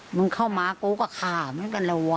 มึงเข้ามากูก็ฆ่าเหมือนกันแล้วว่